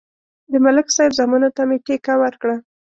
د ملک صاحب زامنو ته مې ټېکه ورکړه.